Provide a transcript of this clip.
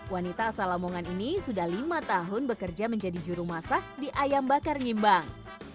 wanita asal lamongan ini sudah lima tahun bekerja menjadi juru masak di ayam bakar nyimbang